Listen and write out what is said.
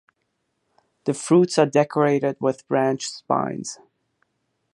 The fruits are decorated with branched spines.